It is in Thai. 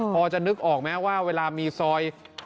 พอจะนึกออกไหมว่าเวลามีซอย